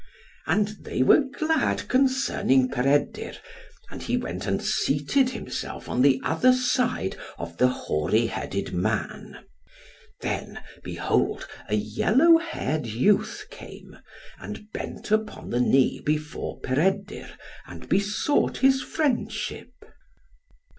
And they were glad concerning Peredur. And he went and seated himself on the other side of the hoary headed man. Then, behold a yellow haired youth came, and bent upon the knee before Peredur, and besought his friendship.